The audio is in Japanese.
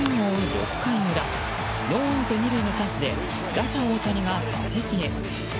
６回裏ノーアウト２塁のチャンスで打者・大谷が打席へ。